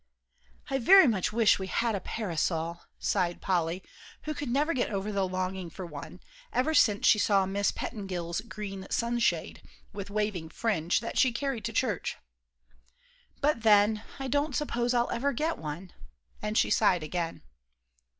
"I very much wish we had a parasol," sighed Polly, who never could get over the longing for one, ever since she saw Miss Pettingill's green sunshade, with waving fringe, that she carried to church; "but then, I don't suppose I'll ever get one," and she sighed again.